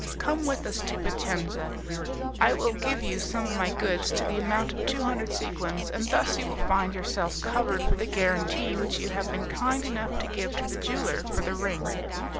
Come with us to Vicenza; I will give you some of my goods to the amount of two hundred sequins, and thus you will find yourself covered for the guarantee which you have been kind enough to give to the jeweller for the ring.